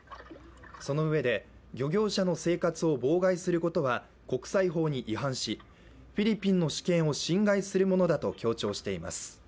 そのうえで、漁業者の生活を妨害することは国際法に違反しフィリピンの主権を侵害するものだと強調しています。